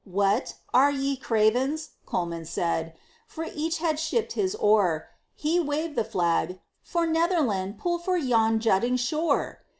"What! are ye cravens?" Colman said; For each had shipped his oar. He waved the flag: "For Netherland, Pull for yon jutting shore!"